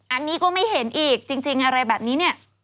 อันนี้ก็ไม่เห็นอีกจริงอะไรแบบนี้เนี่ย